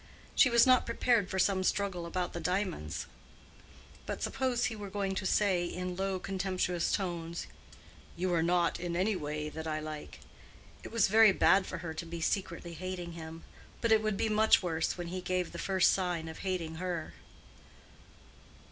She was not unprepared for some struggle about the diamonds; but suppose he were going to say, in low, contemptuous tones, "You are not in any way what I like." It was very bad for her to be secretly hating him; but it would be much worse when he gave the first sign of hating her.